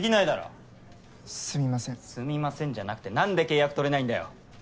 すみませんじゃなくて何で契約取れないんだよ。